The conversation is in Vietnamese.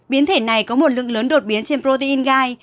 biến thể này có một lượng lớn đột biến trên protein gai